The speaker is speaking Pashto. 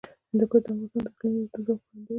هندوکش د افغانستان د اقلیمي نظام ښکارندوی ده.